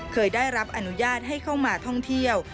เคยได้รับอนุญาตให้เข้ามาท่องเที่ยว